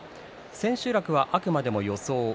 千秋楽は、あくまで予想です。